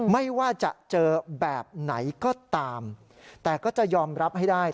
ไม่ว่าจะเจอแบบไหนก็ตามแต่ก็จะยอมรับให้ได้